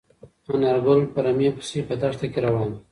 انارګل د رمې پسې په دښته کې روان و.